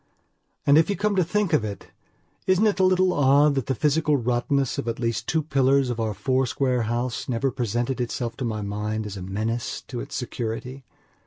And, if you come to think of it, isn't it a little odd that the physical rottenness of at least two pillars of our four square house never presented itself to my mind as a menace to its security?